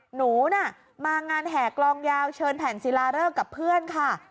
หนูน่ะมางานแห่กลองยาวเชิญแผ่นศิลาเริกกับเพื่อนค่ะ